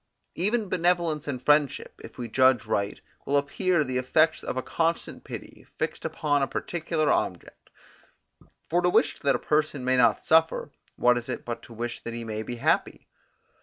Even benevolence and friendship, if we judge right, will appear the effects of a constant pity, fixed upon a particular object: for to wish that a person may not suffer, what is it but to wish that he may be happy?